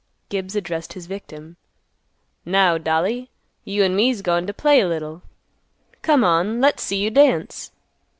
Gibbs addressed his victim, "Now, dolly, you an' me's goin' t' play a little. Come on, let's see you dance."